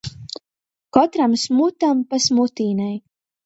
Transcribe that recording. Kotram smutam pa smutīnei.